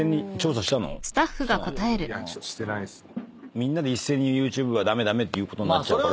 みんなでＹｏｕＴｕｂｅが駄目駄目って言うことになっちゃうから。